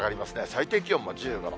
最低気温も１５度。